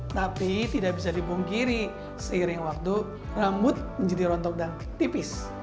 tapi tidak bisa dibungkiri seiring waktu rambut menjadi rontok dan tipis